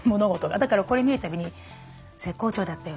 だからこれ見るたびに絶好調だったよねっていう。